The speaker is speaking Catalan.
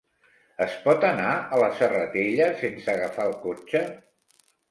Es pot anar a la Serratella sense agafar el cotxe?